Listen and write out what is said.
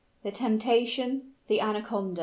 THE TEMPTATION THE ANACONDA.